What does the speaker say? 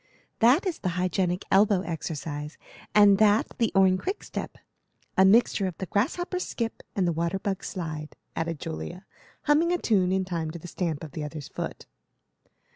"That is the hygienic elbow exercise, and that the Orne Quickstep, a mixture of the grasshopper's skip and the water bug's slide," added Julia, humming a tune in time to the stamp of the other's foot.